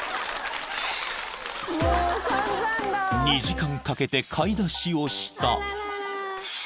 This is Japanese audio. ［２時間かけて買い出しをした］